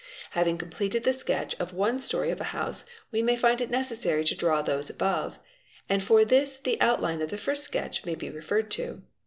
_ Having completed the sketch of one storey of a house, we may find it lecessary to draw those above, and for this the outline of the first sketch lay be referred to.